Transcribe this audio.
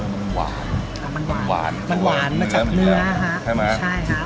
มันหวานมันหวานมันหวานมาจากเนื้อฮะใช่ไหมใช่ครับ